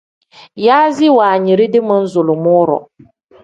Yaazi wanyiridi manzulumuu-ro.